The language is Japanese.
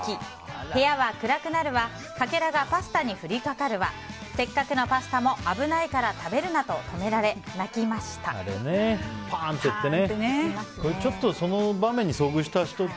部屋は暗くなるわかけらがパスタに降りかかるわせっかくのパスタも危ないから食べるなと止められパンといってね。